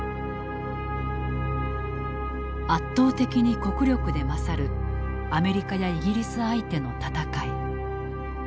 圧倒的に国力で勝るアメリカやイギリス相手の戦い。